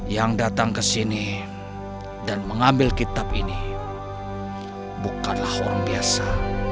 yang datang ke sini dan mengambil kitab ini bukanlah orang biasa